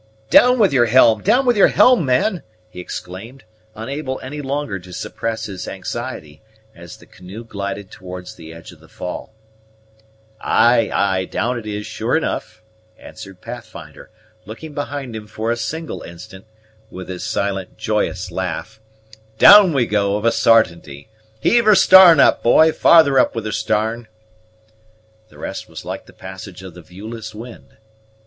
"Down with your helm, down with your helm, man!" he exclaimed, unable any longer to suppress his anxiety, as the canoe glided towards the edge of the fall. "Ay, ay, down it is sure enough," answered Pathfinder, looking behind him for a single instant, with his silent, joyous laugh, "down we go, of a sartinty! Heave her starn up, boy; farther up with her starn!" The rest was like the passage of the viewless wind.